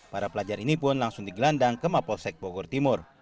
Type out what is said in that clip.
para pelajar ini pun langsung digelandang ke mapolsek bogor timur